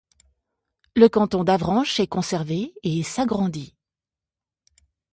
Le canton d'Avranches est conservé et s'agrandit.